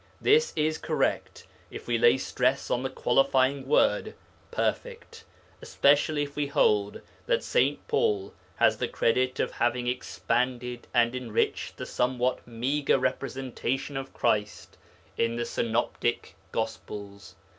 This is correct if we lay stress on the qualifying word 'perfect,' especially if we hold that St. Paul has the credit of having expanded and enriched the somewhat meagre representation of Christ in the Synoptic Gospels.